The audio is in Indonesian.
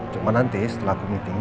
cuma nanti setelah aku meeting